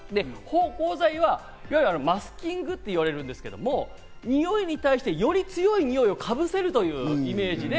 芳香剤はいわゆるマスキングと言われるんですけどニオイに対してより強いニオイをかぶせるというイメージ。